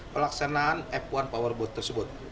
pelaksanaan f satu powerboat tersebut